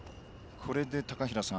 これで高平さん